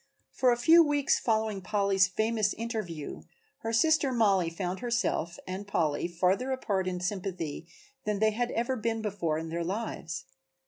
For a few weeks following Polly's famous interview her sister Mollie found herself and Polly farther apart in sympathy than they had ever been before in their lives.